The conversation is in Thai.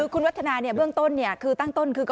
คุณวัฒนาเบื้องต้นคือตั้งต้นคือ